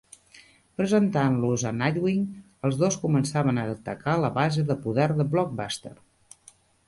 Presentant-los a Nightwing, els dos començaven a atacar la base de poder de Blockbuster.